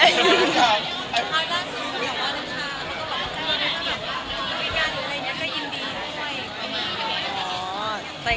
ก็เลยเอาข้าวเหนียวมะม่วงมาปากเทียน